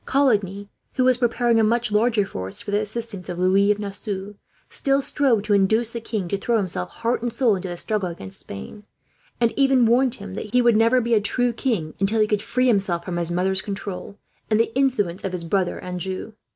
Coligny, who was preparing a much larger force for the assistance of Louis of Nassau, still strove to induce the king to throw himself heart and soul into the struggle against Spain; and even warned him that he would never be a true king, until he could free himself from his mother's control and the influence of his brother Anjou.